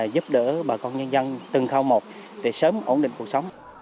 giúp đỡ bà con nhân dân từng khao một để sớm ổn định cuộc sống